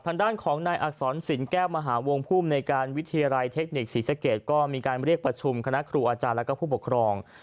ทางด้านของนายอักษรสินแก้วมหาวงภูมิในการวิทยาลัยเทคนิคศรีสะเกดก็มีการเรียกประชุมคณะครูอาจารย์และผู้ปกครอง